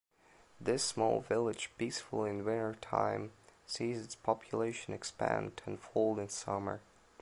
This small village, peaceful in wintertime, sees its population expand ten-fold in summer.